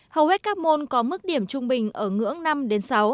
hầu hết các môn có mức điểm trung bình ở ngưỡng năm đến sáu